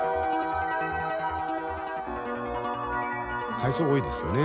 海草多いですよね。